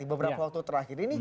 beberapa waktu terakhir ini